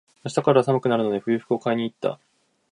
明日から寒くなるので、冬服を買いに行った。